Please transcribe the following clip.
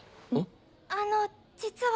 あの実は。